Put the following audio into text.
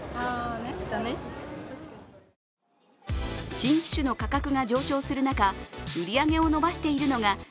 新機種の価格が上昇する中、売り上げを伸ばしているのがり